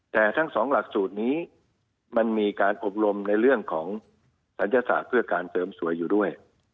แต่ทั้งสองหลักสูตรนี้มันมีการอบรมในเรื่องของศัลยศาสตร์เพื่อการเสริมสวยอยู่ด้วย